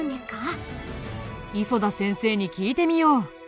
磯田先生に聞いてみよう。